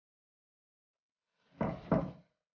semua nya ga bisa di beli gitu